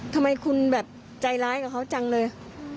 ทำไมคุณแบบใจร้ายกับเขาจังเลย